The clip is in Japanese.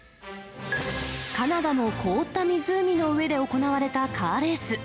カナダの凍った湖の上で行われたカーレース。